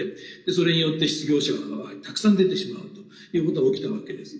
それによって失業者がたくさん出てしまうということが起きたわけです。